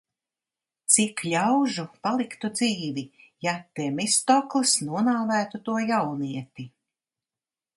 Cik ļaužu paliktu dzīvi, ja Temistokls nonāvētu to jaunieti?